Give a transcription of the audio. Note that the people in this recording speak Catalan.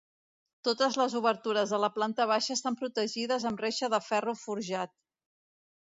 Totes les obertures de la planta baixa estan protegides amb reixa de ferro forjat.